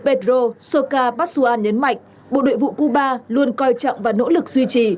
pedro soca pazuan nhấn mạnh bộ đội vụ cuba luôn coi trọng và nỗ lực duy trì